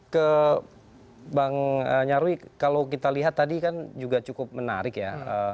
ke bang nyarwi kalau kita lihat tadi kan juga cukup menarik ya